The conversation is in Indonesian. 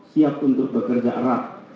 siap untuk bekerja erat